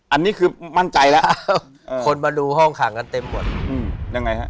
อันนี้คือมั่นใจแล้วคนมาดูห้องขังกันเต็มหมดอืมยังไงฮะ